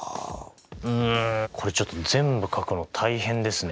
うんこれちょっと全部書くの大変ですね。